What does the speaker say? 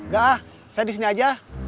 gak ah saya disini aja